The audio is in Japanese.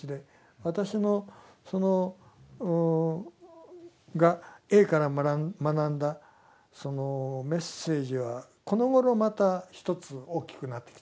私がＡから学んだそのメッセージはこのごろまた一つ大きくなってきたんです。